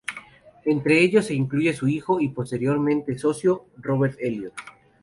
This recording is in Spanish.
Entre ellos se incluye su hijo y posteriormente socio Robert Elliott.